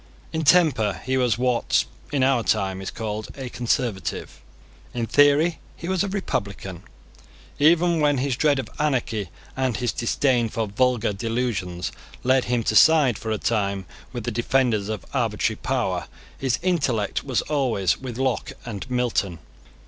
In temper he was what, in our time, is called a Conservative: in theory he was a Republican. Even when his dread of anarchy and his disdain for vulgar delusions led him to side for a time with the defenders of arbitrary power, his intellect was always with Locke and Milton.